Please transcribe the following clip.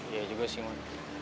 iya juga sih man